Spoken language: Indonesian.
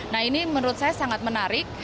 nah ini menurut saya sangat menarik